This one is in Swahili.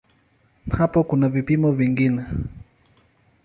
Hapo kuna vipimo vingine.